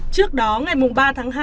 trước đó ngày ba tháng hai